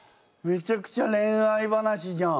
めちゃくちゃ恋愛話じゃん。